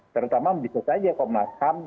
terutama bisa saja komnas ham ya kan